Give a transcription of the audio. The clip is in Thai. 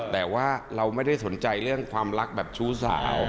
แต่ว่าเราไม่ได้สนใจเรื่องความรักแบบชู้สาว